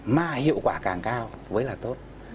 mà hiệu quả càng cao với là tốt